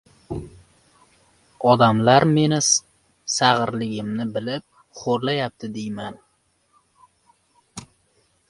Odamlar meni sag‘irligimni bilib xo‘rlayapti, deyman.